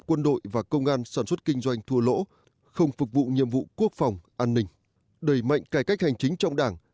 quân đội và công an sản xuất kinh doanh thua lỗ không phục vụ nhiệm vụ quốc phòng an ninh đẩy mạnh cải cách hành chính trong đảng